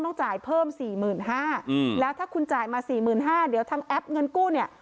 ต้องจ่ายเพิ่มสี่หมื่นห้าอืมแล้วถ้าคุณจ่ายมาสี่หมื่นห้าเดี๋ยวทางแอปเงินกู้เนี่ย